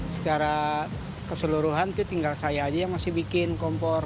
secara keseluruhan itu tinggal saya aja yang masih bikin kompor